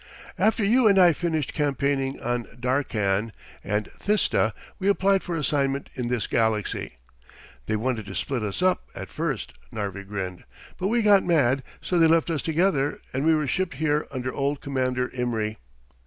"After you and I finished campaigning on Darkkan and Thista, we applied for assignment in this galaxy. They wanted to split us up, at first," Narvi grinned, "but we got mad, so they left us together and we were shipped here under old Commander Imry.